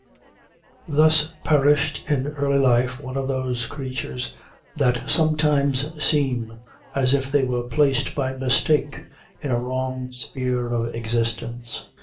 Thus perished in early life one of those creatures, that sometimes seem as if they were placed by mistake in a wrong sphere of existence.